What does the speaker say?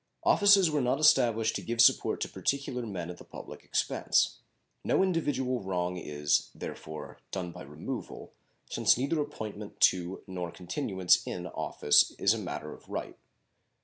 Offices were not established to give support to particular men at the public expense. No individual wrong is, therefore, done by removal, since neither appointment to nor continuance in office is a matter of right.